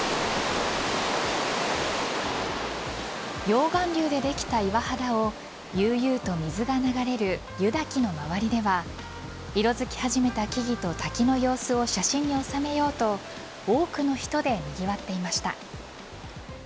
溶岩流でできた岩肌を悠々と水が流れる湯滝の周りでは色づき始めた木々と滝の様子を写真に収めようと多くの人でにぎわっていました。